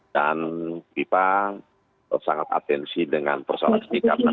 dan viva sangat atensi dengan persalahan setiap namun